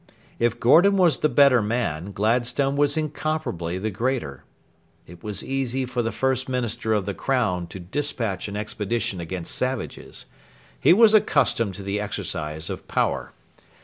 If Gordon was the better man, Gladstone was incomparably the greater. It was easy for the First Minister of the Crown to despatch an expedition against savages. He was accustomed to the exercise of power.